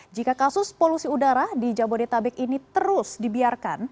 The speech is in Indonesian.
jika kasus polusi udara di jabodetabek ini terus dibiarkan